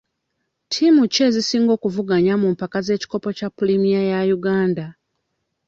Ttiimu ki ezisinga okuvuganya mu mpaka z'ekikopo kya pulimiya eya Uganda?